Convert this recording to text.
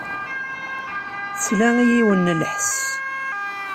Tesla i yiwen n lḥess.